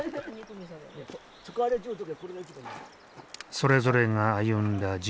それぞれが歩んだ人生。